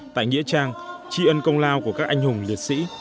tại nghĩa trang tri ân công lao của các anh hùng liệt sĩ